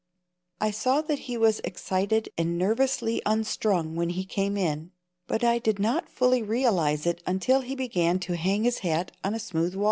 I saw that he was excited and nervously unstrung when he came in, but I did not fully realize it until he began to hang his hat on the smooth wall.